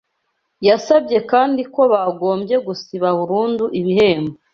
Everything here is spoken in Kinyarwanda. yasabye kandi ko bagombye gusiba burundu ibihembo